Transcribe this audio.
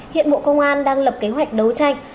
hiện bộ công an đang lập kế hoạch đấu tranh